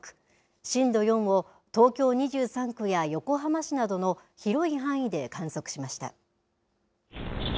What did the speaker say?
震度４を東京２３区や横浜市などの広い範囲で観測しました。